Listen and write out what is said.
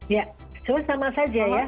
ya sama saja ya